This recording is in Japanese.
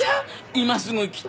今すぐ来て！